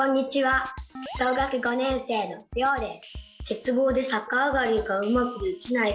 小学５年生のりょうです。